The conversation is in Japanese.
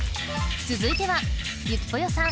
続いてはゆきぽよさん